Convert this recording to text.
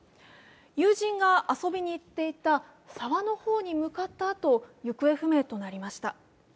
友人が遊びに行っていた沢の方に向かったあと行方不明になりました。